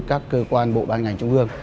các cơ quan bộ ban ngành trung ương